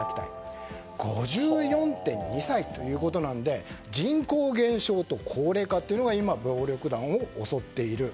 ５４．２歳ということなので人口減少と高齢化というのが今、暴力団を襲っている。